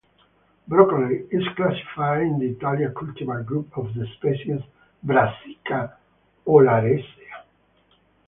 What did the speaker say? Broccoli is classified in the Italica cultivar group of the species "Brassica oleracea".